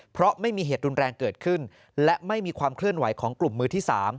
เพราะไม่มีเหตุรุนแรงเกิดขึ้นและไม่มีความเคลื่อนไหวของกลุ่มมือที่๓